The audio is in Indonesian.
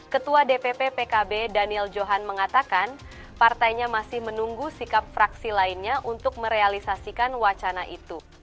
ketua dpp pkb daniel johan mengatakan partainya masih menunggu sikap fraksi lainnya untuk merealisasikan wacana itu